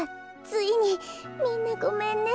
ついにみんなごめんね。